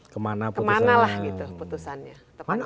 kemana kemana lah gitu putusannya